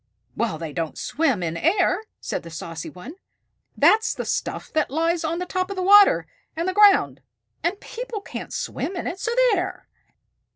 "Well, they don't swim in air," said the saucy one. "That's the stuff that lies on top of the water and the ground, and people can't swim in it. So there!"